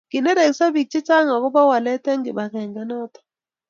kinerekso biik chechang akobo walet eng kibagenge inoto